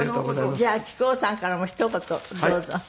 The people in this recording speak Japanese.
じゃあ木久扇さんからもひと言どうぞ。